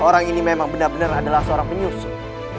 barangkali ini memang benar benar adalah seorang penyusup